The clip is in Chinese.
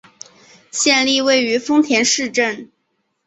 县莅位于丰田市镇。